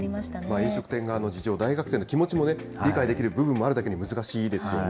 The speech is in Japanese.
飲食店側の事情、大学生の気持ちも理解できる部分もあるだけに、難しいですよね。